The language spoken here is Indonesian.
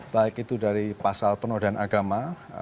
baik itu dari pasal penodaan agama